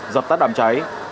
dập tắt đám cháy